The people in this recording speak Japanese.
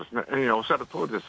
おっしゃるとおりです。